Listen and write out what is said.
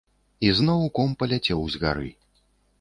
І зноў ком паляцеў з гары.